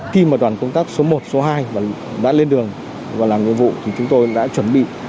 khi mà đoàn công tác số một số hai đã lên đường và làm nhiệm vụ thì chúng tôi đã chuẩn bị